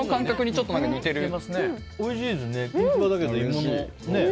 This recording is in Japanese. おいしいですね。